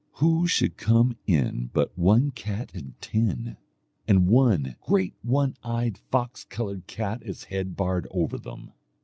Who should come in but one cat and ten, and one great one eyed fox coloured cat as head bard over them.